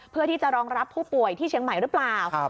เพื่อที่จะรองรับผู้ป่วยที่เชียงใหม่หรือเปล่า